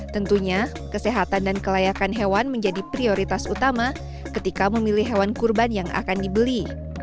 tentunya kesehatan dan kelayakan hewan menjadi prioritas utama ketika memilih hewan kurban yang akan dibeli